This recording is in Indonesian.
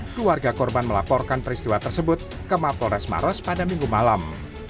keluarga korban melaporkan peristiwa tersebut ke mapolres maros pada minggu malam